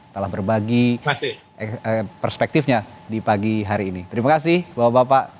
telah berbagi perspektifnya di pagi hari ini terima kasih bapak bapak